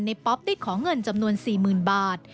ป๊อปได้ขอเงินจำนวน๔๐๐๐บาท